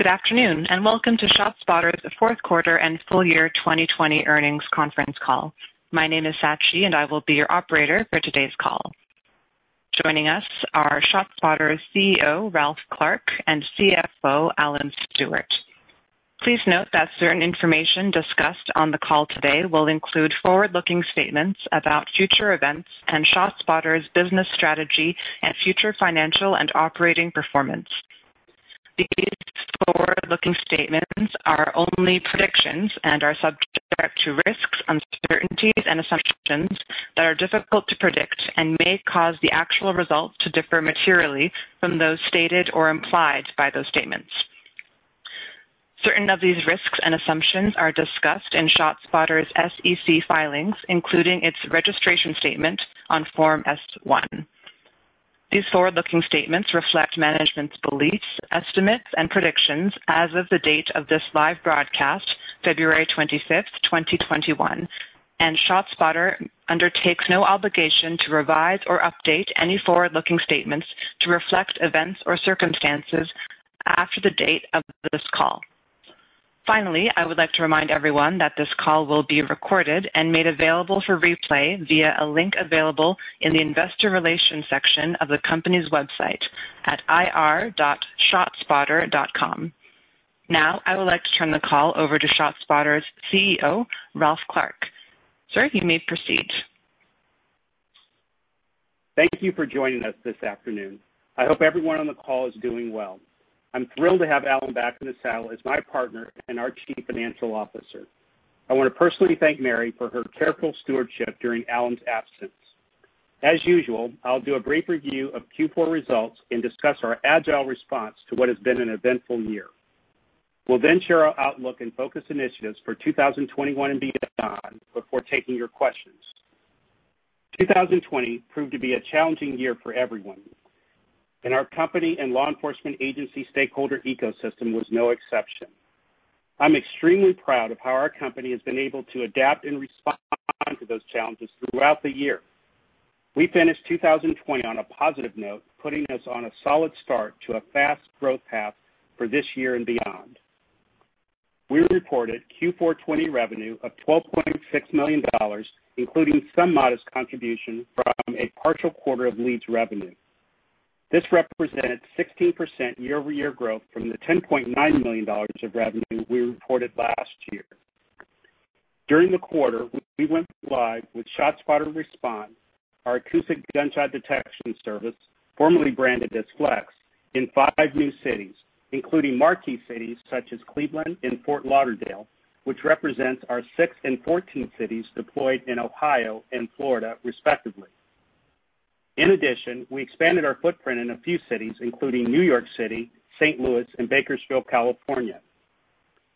Good afternoon. Welcome to ShotSpotter's fourth quarter and full year 2020 earnings conference call. My name is Satchi, and I will be your operator for today's call. Joining us are ShotSpotter's CEO, Ralph Clark, and CFO, Alan Stewart. Please note that certain information discussed on the call today will include forward-looking statements about future events and ShotSpotter's business strategy and future financial and operating performance. These forward-looking statements are only predictions and are subject to risks, uncertainties, and assumptions that are difficult to predict and may cause the actual results to differ materially from those stated or implied by those statements. Certain of these risks and assumptions are discussed in ShotSpotter's SEC filings, including its registration statement on Form S-1. These forward-looking statements reflect management's beliefs, estimates, and predictions as of the date of this live broadcast, February 25th, 2021. ShotSpotter undertakes no obligation to revise or update any forward-looking statements to reflect events or circumstances after the date of this call. Finally, I would like to remind everyone that this call will be recorded and made available for replay via a link available in the investor relations section of the company's website at ir.shotspotter.com. Now, I would like to turn the call over to ShotSpotter's CEO, Ralph Clark. Sir, you may proceed. Thank you for joining us this afternoon. I hope everyone on the call is doing well. I'm thrilled to have Alan back in the saddle as my partner and our Chief Financial Officer. I want to personally thank Mary for her careful stewardship during Alan's absence. As usual, I'll do a brief review of Q4 results and discuss our agile response to what has been an eventful year. We'll then share our outlook and focus initiatives for 2021 and beyond before taking your questions. 2020 proved to be a challenging year for everyone, and our company and law enforcement agency stakeholder ecosystem was no exception. I'm extremely proud of how our company has been able to adapt and respond to those challenges throughout the year. We finished 2020 on a positive note, putting us on a solid start to a fast growth path for this year and beyond. We reported Q4 2020 revenue of $12.6 million, including some modest contribution from a partial quarter of Leeds revenue. This represents 16% year-over-year growth from the $10.9 million of revenue we reported last year. During the quarter, we went live with ShotSpotter Respond, our acoustic gunshot detection service, formerly branded as Flex, in five new cities, including marquee cities such as Cleveland and Fort Lauderdale, which represents our sixth and 14th cities deployed in Ohio and Florida, respectively. In addition, we expanded our footprint in a few cities including New York City, St. Louis, and Bakersfield, California.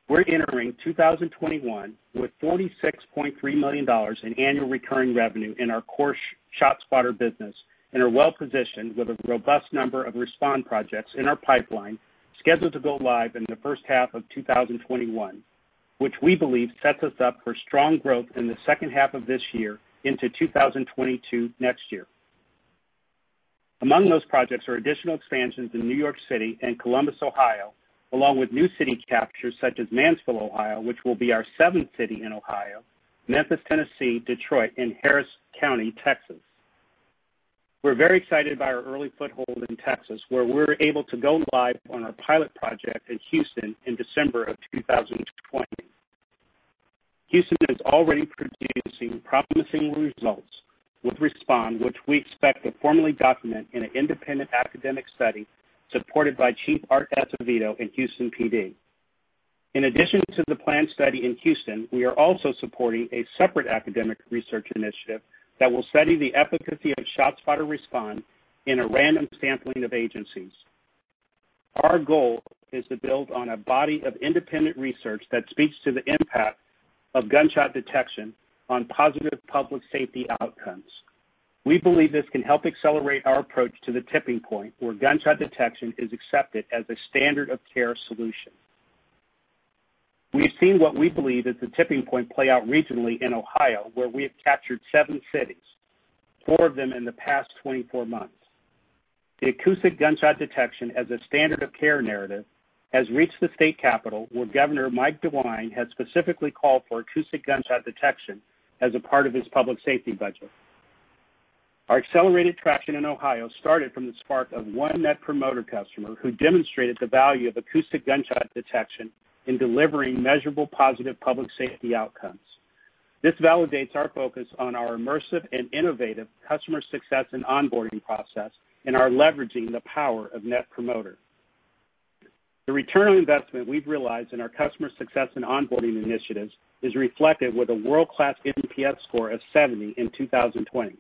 We're entering 2021 with $46.3 million in annual recurring revenue in our core ShotSpotter business and are well-positioned with a robust number of Respond projects in our pipeline scheduled to go live in the first half of 2021, which we believe sets us up for strong growth in the second half of this year into 2022 next year. Among those projects are additional expansions in New York City and Columbus, Ohio, along with new city captures such as Mansfield, Ohio, which will be our seventh city in Ohio, Memphis, Tennessee, Detroit, and Harris County, Texas. We're very excited by our early foothold in Texas, where we were able to go live on our pilot project in Houston in December of 2020. Houston is already producing promising results with Respond, which we expect to formally document in an independent academic study supported by Chief Art Acevedo in Houston PD. In addition to the planned study in Houston, we are also supporting a separate academic research initiative that will study the efficacy of ShotSpotter Respond in a random sampling of agencies. Our goal is to build on a body of independent research that speaks to the impact of gunshot detection on positive public safety outcomes. We believe this can help accelerate our approach to the tipping point where gunshot detection is accepted as a standard of care solution. We've seen what we believe is the tipping point play out regionally in Ohio, where we have captured seven cities, four of them in the past 24 months. The acoustic gunshot detection as a standard of care narrative has reached the state capital, where Governor Mike DeWine has specifically called for acoustic gunshot detection as a part of his public safety budget. Our accelerated traction in Ohio started from the spark of one Net Promoter customer who demonstrated the value of acoustic gunshot detection in delivering measurable positive public safety outcomes. This validates our focus on our immersive and innovative customer success and onboarding process and our leveraging the power of Net Promoter. The ROI we've realized in our customer success and onboarding initiatives is reflected with a world-class NPS score of 70 in 2020.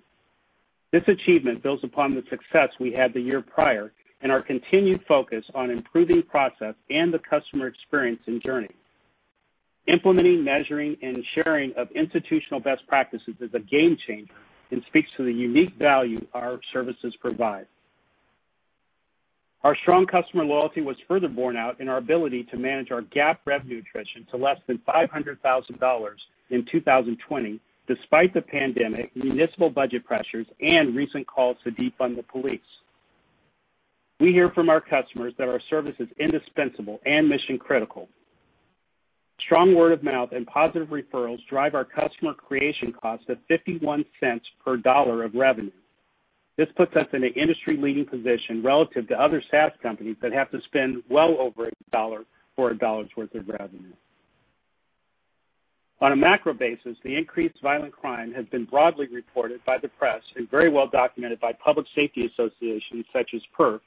This achievement builds upon the success we had the year prior and our continued focus on improving process and the customer experience and journey. Implementing, measuring, and sharing of institutional best practices is a game changer and speaks to the unique value our services provide. Our strong customer loyalty was further borne out in our ability to manage our GAAP revenue attrition to less than $500,000 in 2020, despite the pandemic, municipal budget pressures, and recent calls to defund the police. We hear from our customers that our service is indispensable and mission-critical. Strong word of mouth and positive referrals drive our customer creation costs at $0.51 per $1 of revenue. This puts us in an industry-leading position relative to other SaaS companies that have to spend well over $1 for a dollar's worth of revenue. On a macro basis, the increased violent crime has been broadly reported by the press and very well documented by public safety associations such as PERF,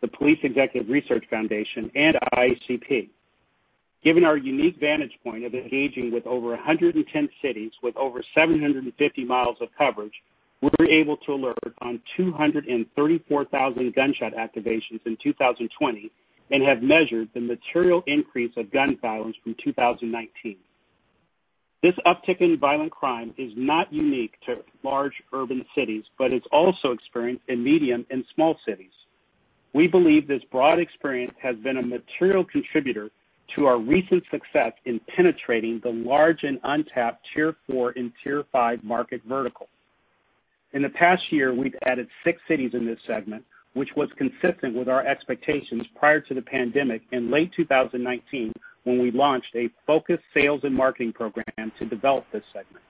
the Police Executive Research Forum, and IACP. Given our unique vantage point of engaging with over 110 cities with over 750 mi of coverage, we were able to alert on 234,000 gunshot activations in 2020 and have measured the material increase of gun violence from 2019. This uptick in violent crime is not unique to large urban cities, but it's also experienced in medium and small cities. We believe this broad experience has been a material contributor to our recent success in penetrating the large and untapped Tier 4 and Tier 5 market verticals. In the past year, we've added six cities in this segment, which was consistent with our expectations prior to the pandemic in late 2019 when we launched a focused sales and marketing program to develop this segment.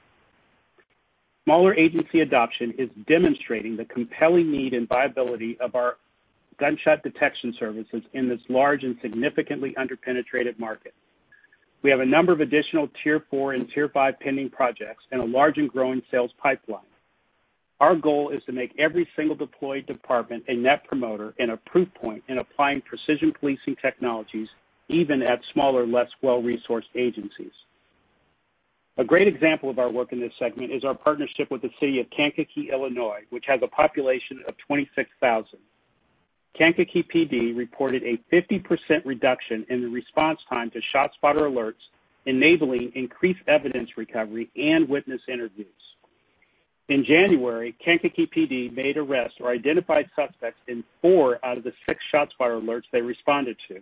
Smaller agency adoption is demonstrating the compelling need and viability of our gunshot detection services in this large and significantly under-penetrated market. We have a number of additional Tier 4 and Tier 5 pending projects and a large and growing sales pipeline. Our goal is to make every single deployed department a Net Promoter and a proof point in applying precision policing technologies, even at smaller, less well-resourced agencies. A great example of our work in this segment is our partnership with the city of Kankakee, Illinois, which has a population of 26,000. Kankakee PD reported a 50% reduction in the response time to ShotSpotter alerts, enabling increased evidence recovery and witness interviews. In January, Kankakee PD made arrests or identified suspects in four out of the six ShotSpotter alerts they responded to.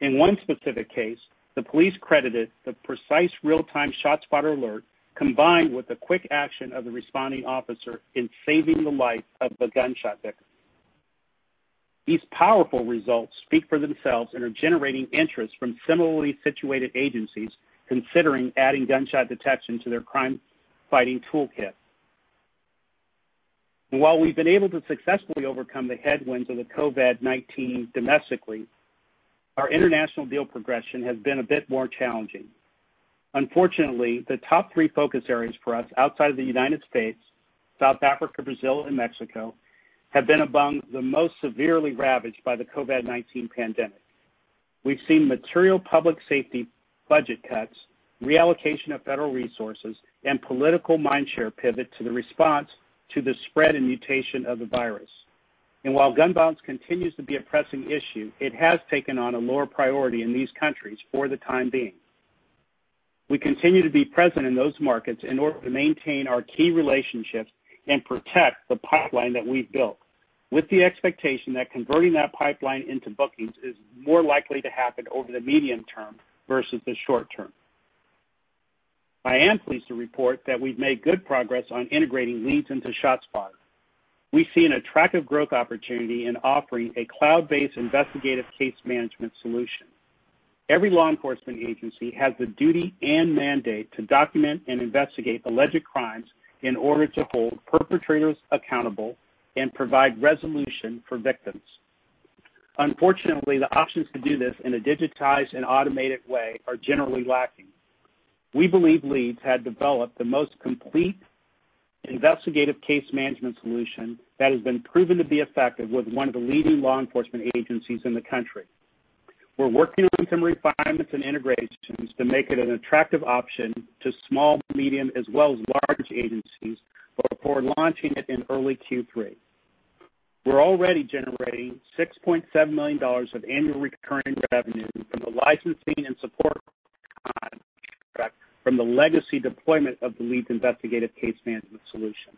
In one specific case, the police credited the precise real-time ShotSpotter alert combined with the quick action of the responding officer in saving the life of the gunshot victim. These powerful results speak for themselves and are generating interest from similarly situated agencies considering adding gunshot detection to their crime-fighting toolkit. While we've been able to successfully overcome the headwinds of the COVID-19 domestically, our international deal progression has been a bit more challenging. Unfortunately, the top three focus areas for us outside of the U.S., South Africa, Brazil, and Mexico, have been among the most severely ravaged by the COVID-19 pandemic. We've seen material public safety budget cuts, reallocation of federal resources, and political mind share pivot to the response to the spread and mutation of the virus. While gun violence continues to be a pressing issue, it has taken on a lower priority in these countries for the time being. We continue to be present in those markets in order to maintain our key relationships and protect the pipeline that we've built, with the expectation that converting that pipeline into bookings is more likely to happen over the medium term versus the short term. I am pleased to report that we've made good progress on integrating Leeds into ShotSpotter. We see an attractive growth opportunity in offering a cloud-based investigative case management solution. Every law enforcement agency has the duty and mandate to document and investigate alleged crimes in order to hold perpetrators accountable and provide resolution for victims. Unfortunately, the options to do this in a digitized and automated way are generally lacking. We believe Leeds had developed the most complete investigative case management solution that has been proven to be effective with one of the leading law enforcement agencies in the country. We're working on some refinements and integrations to make it an attractive option to small, medium, as well as large agencies before launching it in early Q3. We're already generating $6.7 million of annual recurring revenue from the licensing and support contract from the legacy deployment of the Leeds investigative case management solution.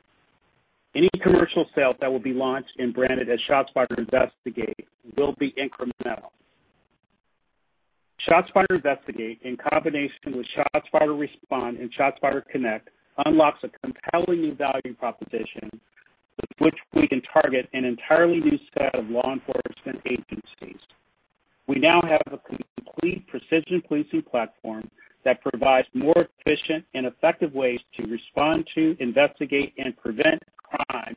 Any commercial sales that will be launched and branded as ShotSpotter Investigate will be incremental. ShotSpotter Investigate, in combination with ShotSpotter Respond and ShotSpotter Connect, unlocks a compelling new value proposition with which we can target an entirely new set of law enforcement agencies. We now have a complete precision policing platform that provides more efficient and effective ways to respond to, investigate, and prevent crime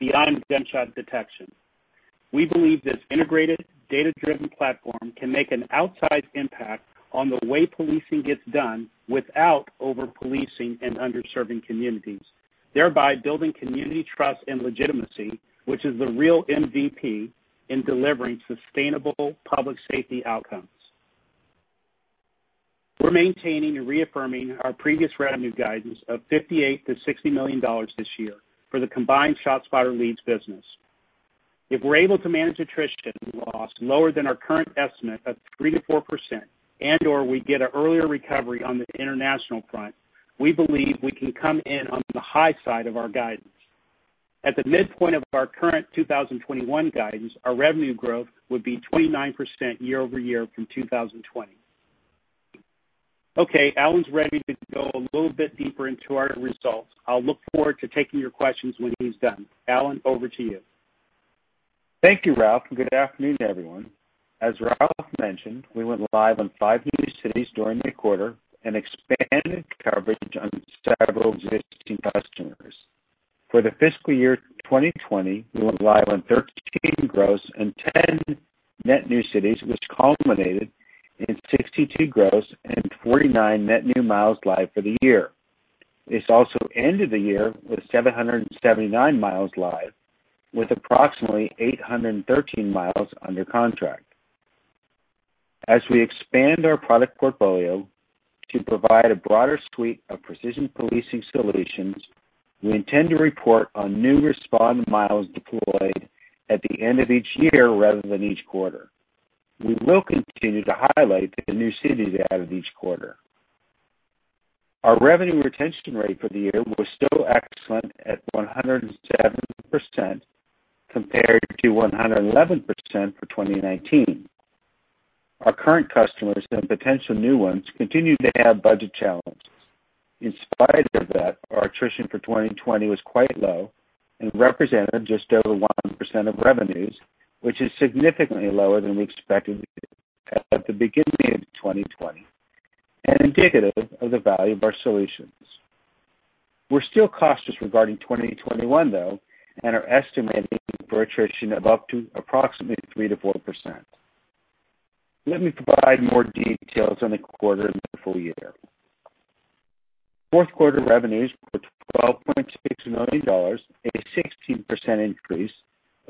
beyond gunshot detection. We believe this integrated data-driven platform can make an outsized impact on the way policing gets done without over-policing and under-serving communities, thereby building community trust and legitimacy, which is the real MVP in delivering sustainable public safety outcomes. We're maintaining and reaffirming our previous revenue guidance of $58 million-$60 million this year for the combined ShotSpotter Leeds business. If we're able to manage attrition loss lower than our current estimate of 3%-4%, and/or we get an earlier recovery on the international front, we believe we can come in on the high side of our guidance. At the midpoint of our current 2021 guidance, our revenue growth would be 29% year-over-year from 2020. Okay, Alan's ready to go a little bit deeper into our results. I'll look forward to taking your questions when he's done. Alan, over to you. Thank you, Ralph, and good afternoon, everyone. As Ralph mentioned, we went live on five new cities during the quarter and expanded coverage on several existing customers. For the fiscal year 2020, we went live on 13 gross and 10 net new cities, which culminated in 62 gross and 49 net new miles live for the year. This also ended the year with 779 mi live, with approximately 813 mi under contract. As we expand our product portfolio to provide a broader suite of precision policing solutions, we intend to report on new Respond miles deployed at the end of each year rather than each quarter. We will continue to highlight the new cities added each quarter. Our revenue retention rate for the year was still excellent at 107%, compared to 111% for 2019. Our current customers and potential new ones continue to have budget challenges. In spite of that, our attrition for 2020 was quite low and represented just over 1% of revenues, which is significantly lower than we expected at the beginning of 2020 and indicative of the value of our solutions. We're still cautious regarding 2021, though, and are estimating for attrition of up to approximately 3%-4%. Let me provide more details on the quarter and the full year. Fourth quarter revenues were $12.6 million, a 16% increase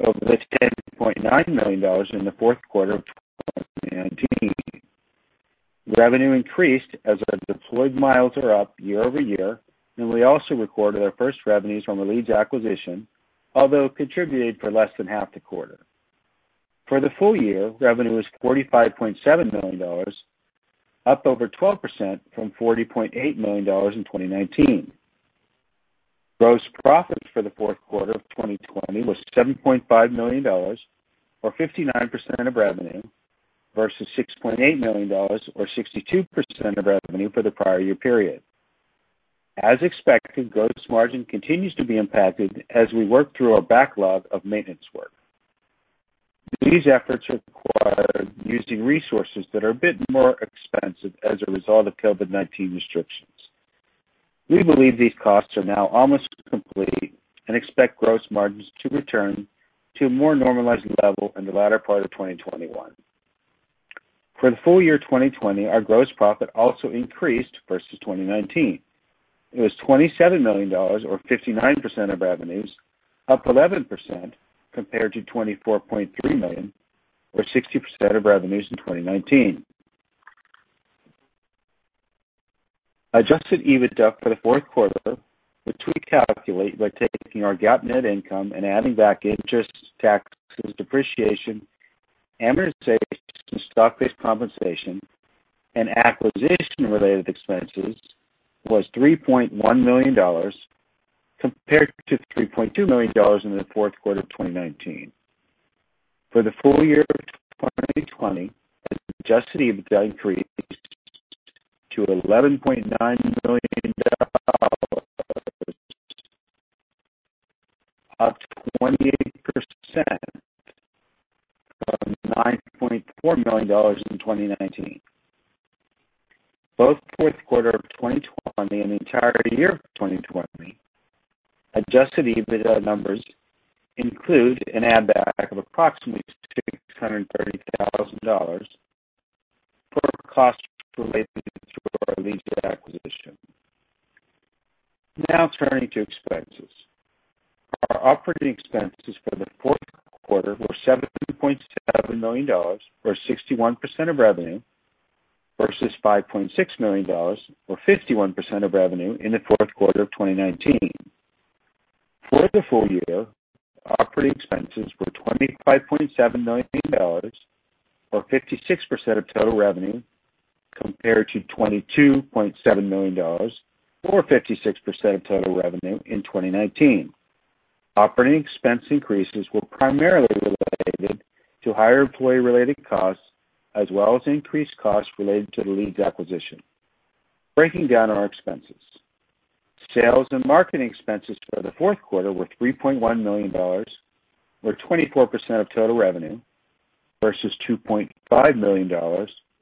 over the $10.9 million in the fourth quarter of 2019. Revenue increased as our deployed miles are up year-over-year, and we also recorded our first revenues from the Leeds acquisition, although it contributed for less than half the quarter. For the full year, revenue was $45.7 million, up over 12% from $40.8 million in 2019. Gross profit for the fourth quarter of 2020 was $7.5 million, or 59% of revenue, versus $6.8 million, or 62% of revenue for the prior year period. As expected, gross margin continues to be impacted as we work through our backlog of maintenance work. These efforts require using resources that are a bit more expensive as a result of COVID-19 restrictions. We believe these costs are now almost complete and expect gross margins to return to a more normalized level in the latter part of 2021. For the full year 2020, our gross profit also increased versus 2019. It was $27 million, or 59% of revenues, up 11% compared to $24.3 million or 60% of revenues in 2019. Adjusted EBITDA for the fourth quarter, which we calculate by taking our GAAP net income and adding back interest, taxes, depreciation, amortization, stock-based compensation, and acquisition-related expenses, was $3.1 million compared to $3.2 million in the fourth quarter of 2019. For the full year of 2020, Adjusted EBITDA increased to $11.9 million, up 28% from $9.4 million in 2019. Both fourth quarter of 2020 and the entire year of 2020, Adjusted EBITDA numbers include an add back of approximately $630,000 for costs related to our Leeds acquisition. Now turning to expenses. Our operating expenses for the fourth quarter were $17.7 million, or 61% of revenue, versus $5.6 million or 51% of revenue in the fourth quarter of 2019. For the full year, operating expenses were $25.7 million, or 56% of total revenue, compared to $22.7 million or 56% of total revenue in 2019. Operating expense increases were primarily related to higher employee-related costs as well as increased costs related to the Leeds acquisition. Breaking down our expenses. Sales and marketing expenses for the fourth quarter were $3.1 million, or 24% of total revenue, versus $2.5 million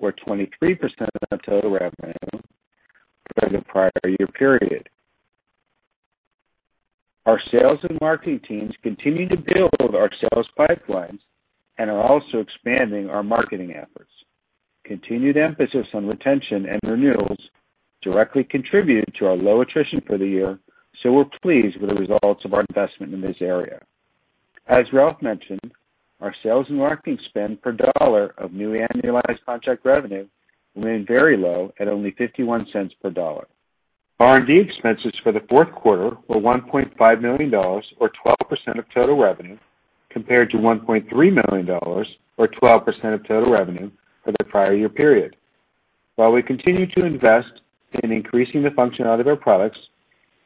or 23% of total revenue for the prior year period. Our sales and marketing teams continue to build our sales pipelines and are also expanding our marketing efforts. Continued emphasis on retention and renewals directly contributed to our low attrition for the year, so we're pleased with the results of our investment in this area. As Ralph mentioned, our sales and marketing spend per dollar of new annualized contract revenue remained very low at only $0.51 per dollar. R&D expenses for the fourth quarter were $1.5 million, or 12% of total revenue, compared to $1.3 million, or 12% of total revenue for the prior year period. While we continue to invest in increasing the functionality of our products,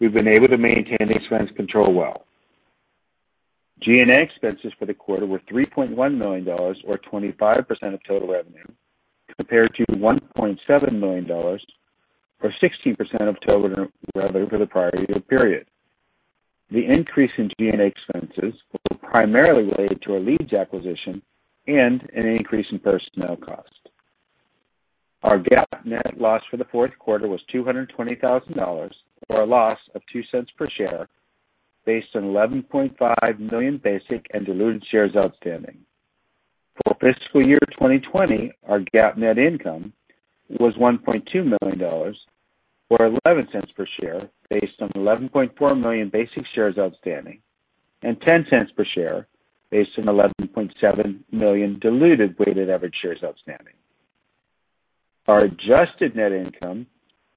we've been able to maintain expense control well. G&A expenses for the quarter were $3.1 million, or 25% of total revenue, compared to $1.7 million, or 16% of total revenue for the prior year period. The increase in G&A expenses were primarily related to our Leeds acquisition and an increase in personnel cost. Our GAAP net loss for the fourth quarter was $220,000, or a loss of $0.02 per share, based on 11.5 million basic and diluted shares outstanding. For fiscal year 2020, our GAAP net income was $1.2 million, or $0.11 per share, based on 11.4 million basic shares outstanding, and $0.10 per share based on 11.7 million diluted weighted average shares outstanding. Our adjusted net income,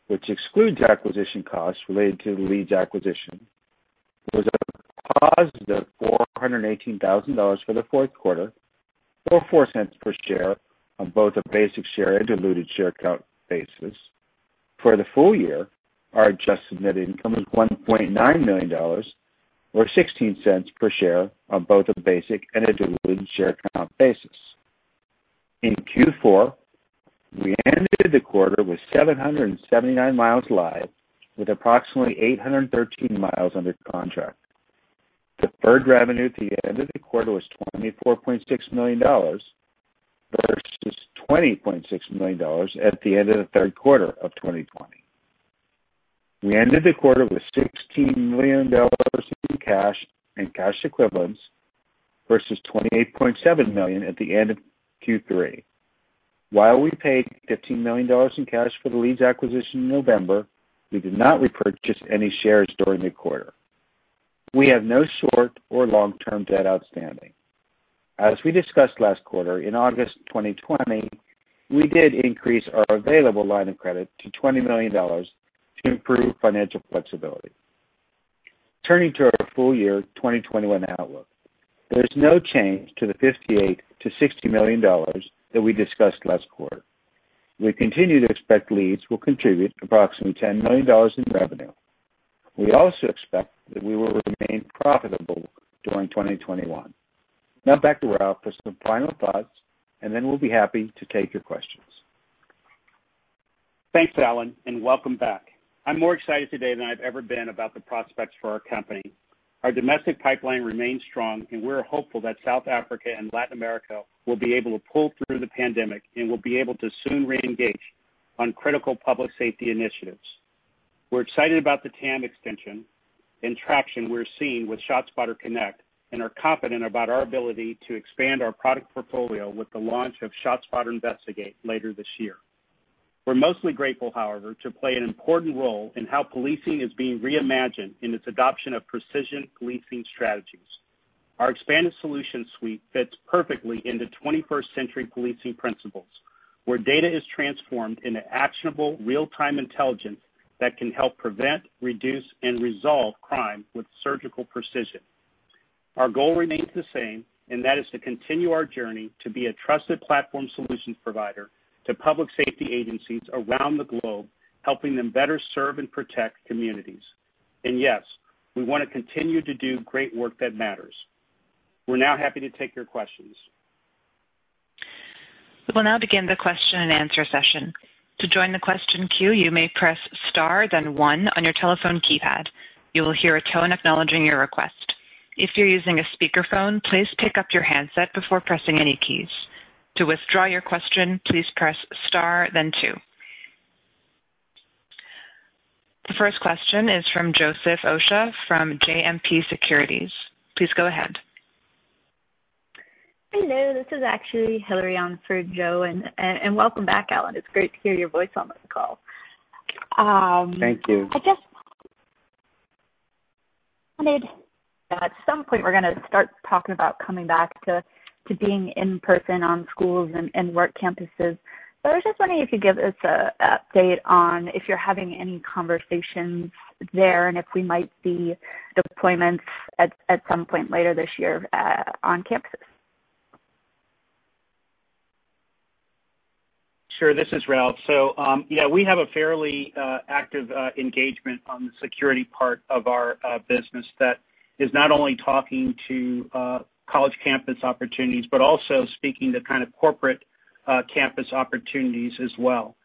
which excludes acquisition costs related to the Leeds acquisition, was a +$418,000 for the fourth quarter, or $0.04 per share on both a basic share and diluted share count basis. For the full year, our adjusted net income was $1.9 million, or $0.16 per share on both a basic and a diluted share count basis. In Q4, we ended the quarter with 779 mi live, with approximately 813 mi under contract. Deferred revenue at the end of the quarter was $24.6 million versus $20.6 million at the end of the third quarter of 2020. We ended the quarter with $16 million in cash and cash equivalents versus $28.7 million at the end of Q3. While we paid $15 million in cash for the Leeds acquisition in November, we did not repurchase any shares during the quarter. We have no short or long-term debt outstanding. As we discussed last quarter, in August 2020, we did increase our available line of credit to $20 million to improve financial flexibility. Turning to our full-year 2021 outlook. There is no change to the $58 million-$60 million that we discussed last quarter. We continue to expect Leeds will contribute approximately $10 million in revenue. We also expect that we will remain profitable during 2021. Now back to Ralph for some final thoughts, and then we'll be happy to take your questions. Thanks, Alan, and welcome back. I'm more excited today than I've ever been about the prospects for our company. Our domestic pipeline remains strong, and we're hopeful that South Africa and Latin America will be able to pull through the pandemic and will be able to soon reengage on critical public safety initiatives. We're excited about the TAM extension and traction we're seeing with ShotSpotter Connect and are confident about our ability to expand our product portfolio with the launch of ShotSpotter Investigate later this year. We're mostly grateful, however, to play an important role in how policing is being reimagined in its adoption of precision policing strategies. Our expanded solution suite fits perfectly into 21st-century policing principles, where data is transformed into actionable real-time intelligence that can help prevent, reduce, and resolve crime with surgical precision. Our goal remains the same, that is to continue our journey to be a trusted platform solution provider to public safety agencies around the globe, helping them better serve and protect communities. Yes, we want to continue to do great work that matters. We are now happy to take your questions. We will now begin the question and answer session. To join the question queue, you may press star then one on your telephone keypad. You will hear a tone acknowledging your request. If you're using a speakerphone, please pick up your handset before pressing any keys. To withdraw your question, please press star then two. The first question is from Joseph Osha from JMP Securities. Please go ahead. Hello, this is actually Hilary on for Joseph, and welcome back, Alan. It's great to hear your voice on this call. Thank you. I guess, at some point, we're going to start talking about coming back to being in person on schools and work campuses. I was just wondering if you could give us an update on if you're having any conversations there and if we might see deployments at some point later this year on campuses. Sure. This is Ralph. Yeah, we have a fairly active engagement on the security part of our business that is not only talking to college campus opportunities, but also speaking to kind of corporate campus opportunities as well,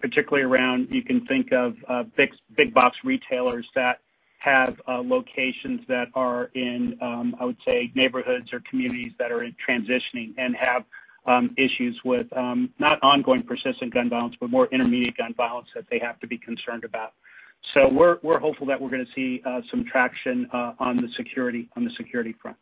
particularly around, you can think of big-box retailers that have locations that are in, I would say, neighborhoods or communities that are transitioning and have issues with not ongoing persistent gun violence, but more intermediate gun violence that they have to be concerned about. We're hopeful that we're going to see some traction on the security front.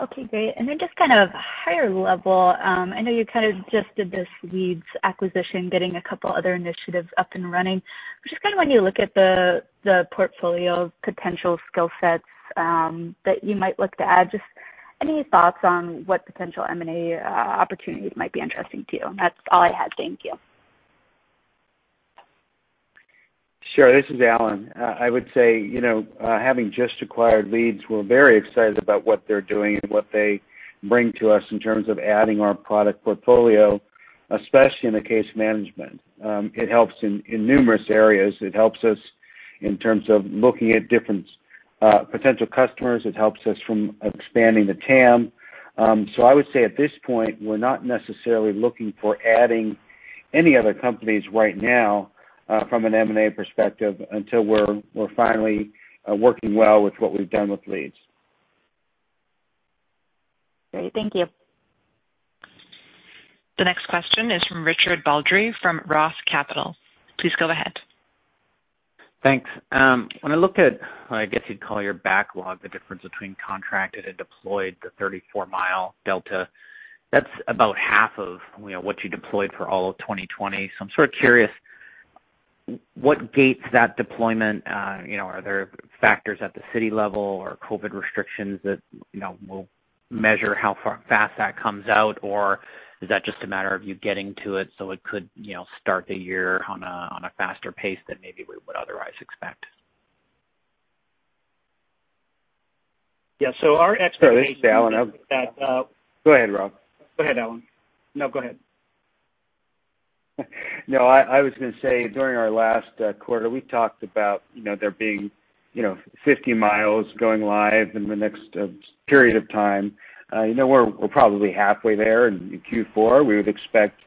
Okay, great. Then just kind of higher level, I know you kind of just did this Leeds acquisition, getting a couple other initiatives up and running. Kind of when you look at the portfolio of potential skill sets that you might look to add, just any thoughts on what potential M&A opportunities might be interesting to you? That's all I had. Thank you. Sure. This is Alan. I would say, having just acquired Leeds, we're very excited about what they're doing and what they bring to us in terms of adding our product portfolio. Especially in the case management. It helps in numerous areas. It helps us in terms of looking at different potential customers. It helps us from expanding the TAM. I would say at this point, we're not necessarily looking for adding any other companies right now from an M&A perspective until we're finally working well with what we've done with Leeds. Great. Thank you. The next question is from Richard Baldry from ROTH Capital. Please go ahead. Thanks. When I look at, I guess you'd call your backlog, the difference between contracted and deployed, the 34-mi delta. That's about half of what you deployed for all of 2020. I'm sort of curious, what gates that deployment? Are there factors at the city level or COVID restrictions that will measure how fast that comes out? Is that just a matter of you getting to it so it could start the year on a faster pace than maybe we would otherwise expect? Yeah. Sorry, this is Alan. Go ahead, Ralph. Go ahead, Alan. No, go ahead. I was going to say, during our last quarter, we talked about there being 50 mi going live in the next period of time. We're probably halfway there in Q4. We would expect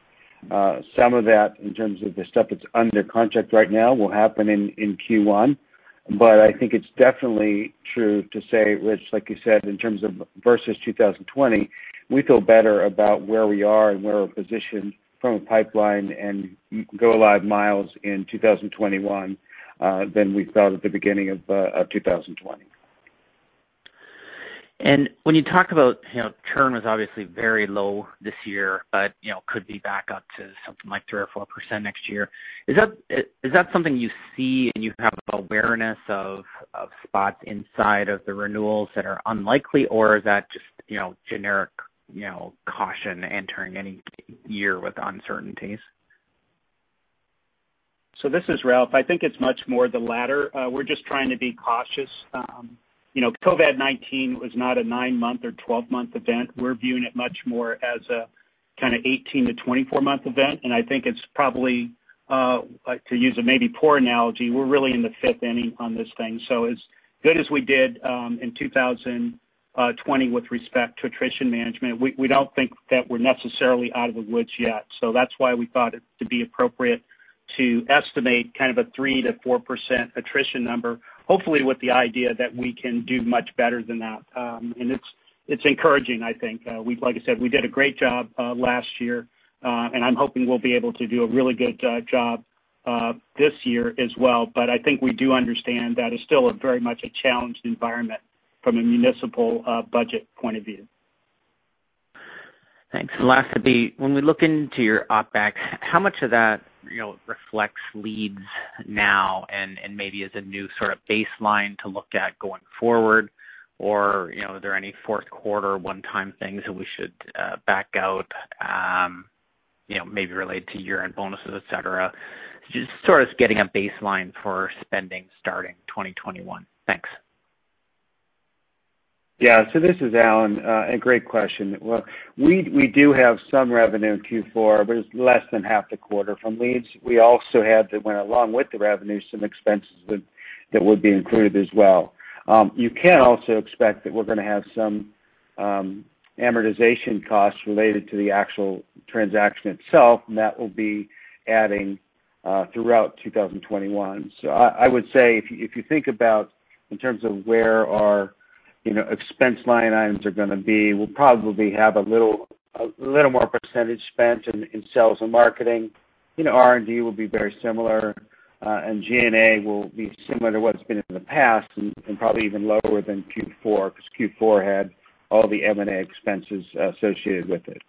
some of that in terms of the stuff that's under contract right now will happen in Q1. I think it's definitely true to say, Rich, like you said, in terms of versus 2020, we feel better about where we are and where we're positioned from a pipeline and go live miles in 2021 than we thought at the beginning of 2020. When you talk about, churn was obviously very low this year, but could be back up to something like 3% or 4% next year. Is that something you see and you have awareness of spots inside of the renewals that are unlikely, or is that just generic caution entering any year with uncertainties? This is Ralph. I think it's much more the latter. We're just trying to be cautious. COVID-19 was not a nine-month or 12-month event. We're viewing it much more as a kind of 18-24-month event, and I think it's probably, to use a maybe poor analogy, we're really in the fifth inning on this thing. As good as we did in 2020 with respect to attrition management, we don't think that we're necessarily out of the woods yet. That's why we thought it to be appropriate to estimate kind of a 3%-4% attrition number, hopefully with the idea that we can do much better than that. It's encouraging, I think. Like I said, we did a great job last year, and I'm hoping we'll be able to do a really good job this year as well. I think we do understand that it's still a very much a challenged environment from a municipal budget point of view. Thanks. Last, when we look into your OpEx, how much of that reflects Leeds now and maybe as a new sort of baseline to look at going forward? Are there any fourth quarter one-time things that we should back out maybe related to year-end bonuses, et cetera? Just sort of getting a baseline for spending starting 2021. Thanks. Yeah. This is Alan. A great question. Well, we do have some revenue in Q4, but it's less than half the quarter from Leeds. We also had that went along with the revenue, some expenses that would be included as well. You can also expect that we're going to have some amortization costs related to the actual transaction itself, and that will be adding throughout 2021. I would say, if you think about in terms of where our expense line items are going to be, we'll probably have a little more percentage spent in sales and marketing. R&D will be very similar, and G&A will be similar to what's been in the past and probably even lower than Q4 because Q4 had all the M&A expenses associated with it.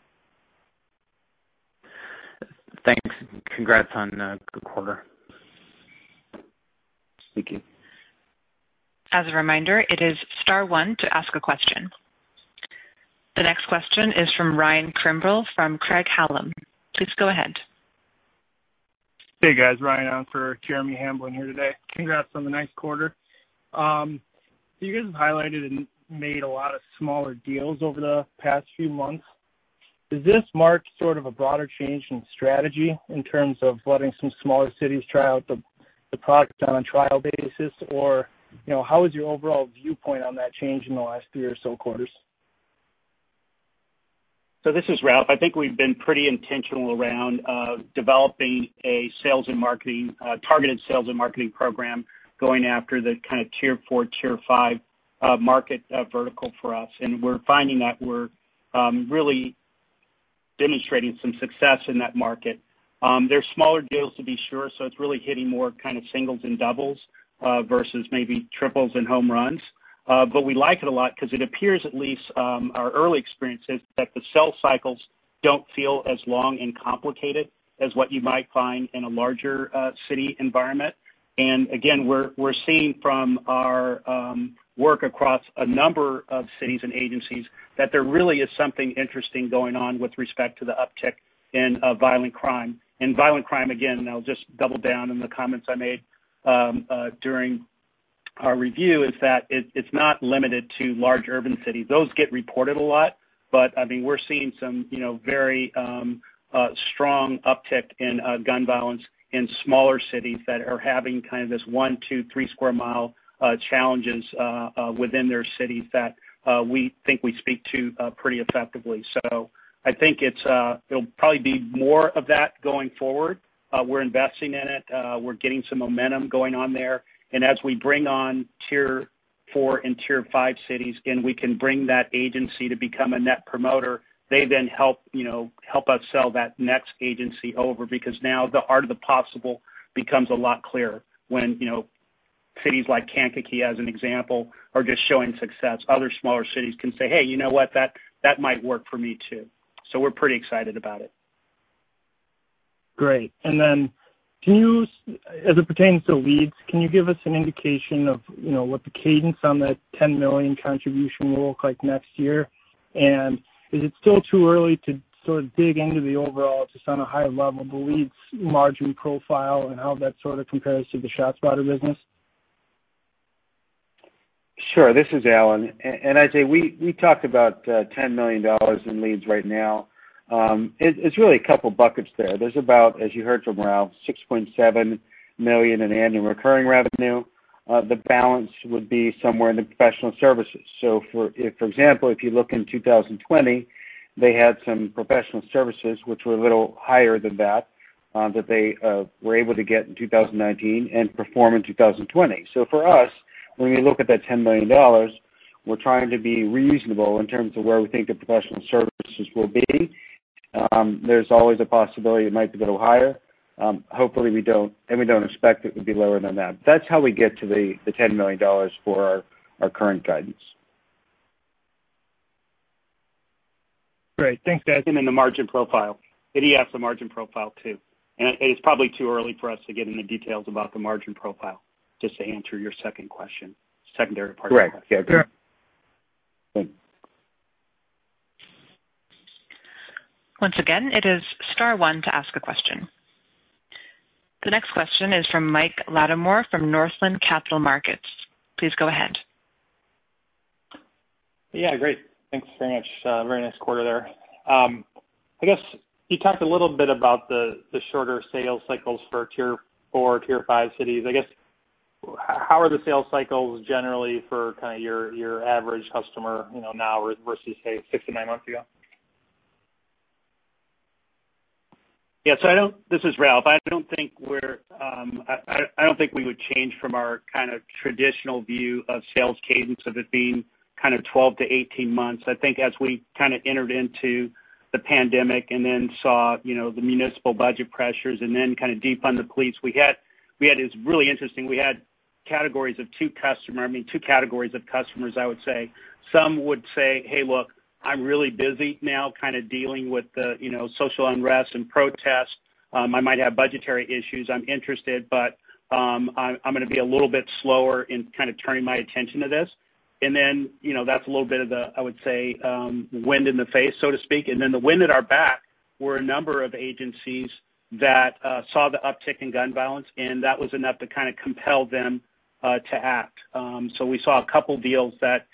Thanks. Congrats on a good quarter. Thank you. As a reminder, it is star one to ask a question. The next question is from Ryan Kimbrel from Craig-Hallum. Please go ahead. Hey, guys. Ryan on for Jeremy Hamblin here today. Congrats on the nice quarter. You guys have highlighted and made a lot of smaller deals over the past few months. Does this mark sort of a broader change in strategy in terms of letting some smaller cities try out the product on a trial basis? How is your overall viewpoint on that change in the last three or so quarters? This is Ralph. I think we've been pretty intentional around developing a targeted sales and marketing program, going after the kind of Tier 4, Tier 5 market vertical for us. We're finding that we're really demonstrating some success in that market. They're smaller deals, to be sure, so it's really hitting more kind of singles and doubles versus maybe triples and home runs. We like it a lot because it appears, at least our early experience is that the sales cycles don't feel as long and complicated as what you might find in a larger city environment. Again, we're seeing from our work across a number of cities and agencies that there really is something interesting going on with respect to the uptick in violent crime. Violent crime, again, and I'll just double down in the comments I made during. Our review is that it's not limited to large urban cities. Those get reported a lot, but we're seeing some very strong uptick in gun violence in smaller cities that are having kind of this 1, 2, 3 sq mi challenges within their cities that we think we speak to pretty effectively. I think there'll probably be more of that going forward. We're investing in it. We're getting some momentum going on there. And as we bring on Tier 4 and Tier 5 cities, and we can bring that agency to become a Net Promoter, they then help us sell that next agency over because now the art of the possible becomes a lot clearer when cities like Kankakee, as an example, are just showing success. Other smaller cities can say, "Hey, you know what? That might work for me, too." We're pretty excited about it. Great. As it pertains to Leeds, can you give us an indication of what the cadence on that $10 million contribution will look like next year? Is it still too early to sort of dig into the overall, just on a high level, the Leeds margin profile and how that sort of compares to the ShotSpotter business? As we talked about $10 million in Leeds right now, it's really a couple buckets there. There's about, as you heard from Ralph, $6.7 million in annual recurring revenue. The balance would be somewhere in the professional services. For example, if you look in 2020, they had some professional services which were a little higher than that they were able to get in 2019 and perform in 2020. For us, when we look at that $10 million, we're trying to be reasonable in terms of where we think the professional services will be. There's always a possibility it might go higher. Hopefully we don't. We don't expect it to be lower than that. That's how we get to the $10 million for our current guidance. Great. Thanks, guys. The margin profile. He asked the margin profile, too. It's probably too early for us to get into details about the margin profile, just to answer your second question, secondary part of the question. Right. Yeah. Sure. Thanks. Once again, it is star one to ask a question. The next question is from Mike Latimore from Northland Capital Markets. Please go ahead. Yeah. Great. Thanks very much. Very nice quarter there. I guess you talked a little bit about the shorter sales cycles for Tier 4, Tier 5 cities. I guess, how are the sales cycles generally for kind of your average customer now versus, say, six to nine months ago? Yeah. This is Ralph. I don't think we would change from our kind of traditional view of sales cadence of it being kind of 12-18 months. I think as we kind of entered into the pandemic and then saw the municipal budget pressures and then kind of defund the police, it's really interesting. We had two categories of customers, I would say. Some would say "Hey, look, I'm really busy now kind of dealing with the social unrest and protests. I might have budgetary issues. I'm interested, but I'm going to be a little bit slower in kind of turning my attention to this." That's a little bit of the, I would say, wind in the face, so to speak. The wind at our back were a number of agencies that saw the uptick in gun violence, and that was enough to kind of compel them to act. We saw a couple deals that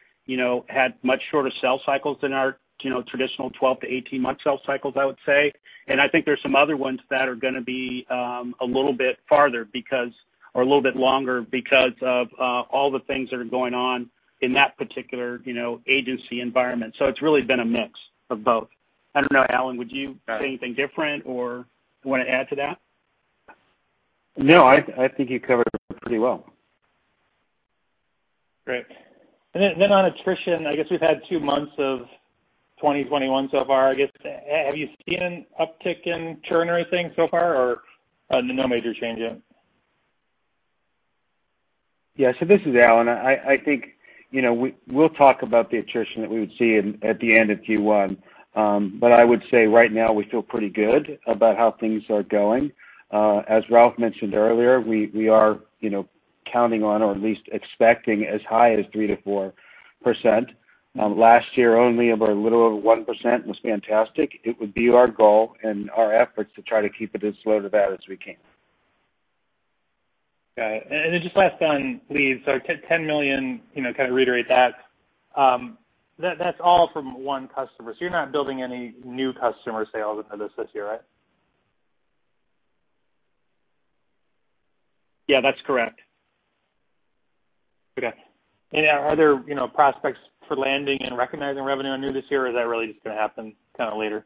had much shorter sales cycles than our traditional 12- to 18-month sales cycles, I would say. I think there's some other ones that are going to be a little bit farther or a little bit longer because of all the things that are going on in that particular agency environment. It's really been a mix of both. I don't know, Alan, would you say anything different or want to add to that? No, I think you covered it pretty well. Great. On attrition, I guess we've had two months of 2021 so far. I guess, have you seen an uptick in churn or anything so far, or no major change yet? Yeah. This is Alan. I think we'll talk about the attrition that we would see at the end of Q1. I would say right now, we feel pretty good about how things are going. As Ralph mentioned earlier, we are counting on or at least expecting as high as 3%-4%. Last year, only of our little over 1% was fantastic. It would be our goal and our efforts to try to keep it as low to that as we can. Got it. Just last one. Leeds. $10 million, kind of reiterate that. That's all from one customer. You're not building any new customer sales into this year, right? Yeah, that's correct. Okay. Are there prospects for landing and recognizing revenue under this year? Is that really just going to happen kind of later?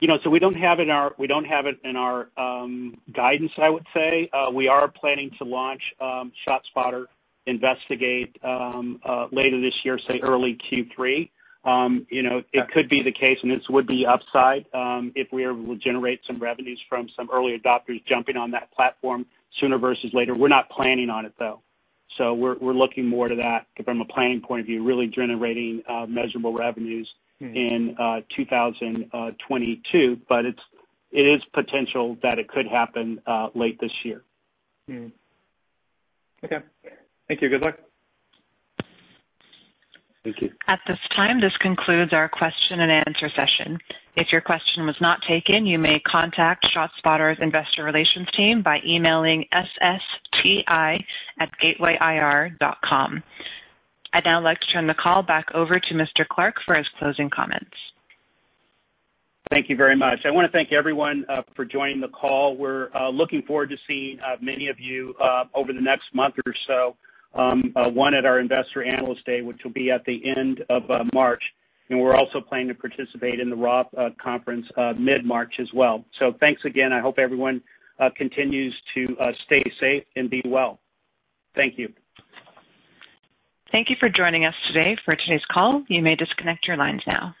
We don't have it in our guidance, I would say. We are planning to launch ShotSpotter Investigate later this year, say early Q3. It could be the case, and this would be upside, if we were able to generate some revenues from some early adopters jumping on that platform sooner versus later. We're not planning on it, though. We're looking more to that from a planning point of view, really generating measurable revenues in 2022. But it is potential that it could happen late this year. Okay. Thank you. Good luck. Thank you. At this time, this concludes our question and answer session. If your question was not taken, you may contact ShotSpotter's investor relations team by emailing ssti@gatewayir.com. I'd now like to turn the call back over to Mr. Clark for his closing comments. Thank you very much. I want to thank everyone for joining the call. We're looking forward to seeing many of you over the next month or so, one at our Investor Analyst Day, which will be at the end of March. We're also planning to participate in the ROTH Conference mid-March as well. Thanks again. I hope everyone continues to stay safe and be well. Thank you. Thank you for joining us today for today's call. You may disconnect your lines now.